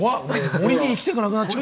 森に行きたくなくなっちゃう。